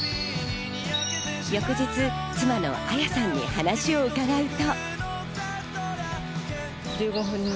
翌日、妻の綾さんに話を伺うと。